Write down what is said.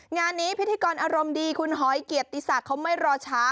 งานนี้พิธีกรอารมณ์ดีคุณหอยเกียรติศักดิ์เขาไม่รอช้า